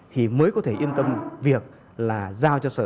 thì mới có thể yên tâm việc là giao cho sở